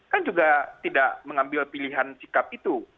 kan juga tidak mengambil pilihan sikap itu